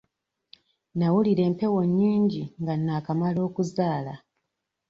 Nawulira empewo nnyingi nga naakamala okuzaala.